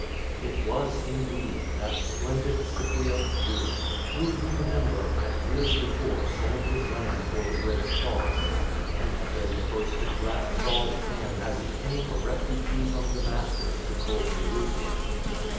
It was, indeed, that splendid Cypriote Jew, who, you remember, had years before sold his land for the great cause, and had been the first to grasp Saul's hand as he came a refugee from Damascus to cold Jerusalem.